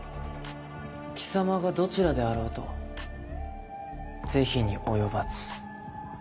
貴様がどちらであろうと是非に及ばず。